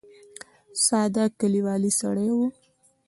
ساده کلیوالي سړی و.